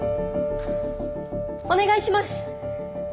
お願いします！